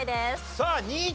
さあ２：１！